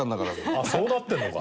あっそうなってんのか。